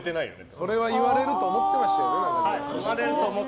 それは言われると思ってました。